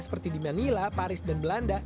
seperti di manila paris dan belanda